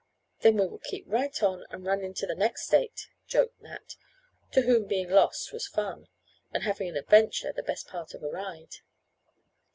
"Then we will keep right on, and run into the next state," joked Nat, to whom being lost was fun, and having an adventure the best part of a ride.